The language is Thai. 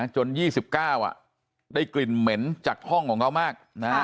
จน๒๙ได้กลิ่นเหม็นจากห้องของเขามาก